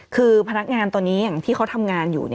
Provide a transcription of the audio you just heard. คือพนักงานตอนนี้อย่างที่เขาทำงานอยู่